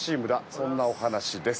そんなお話です。